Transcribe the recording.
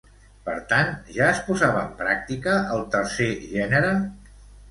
Per tant, ja es posava en pràctica el tercer gènere?